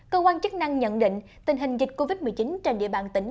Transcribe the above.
cơ quan chức năng nhận định tình hình dịch covid một mươi chín trên địa bàn tỉnh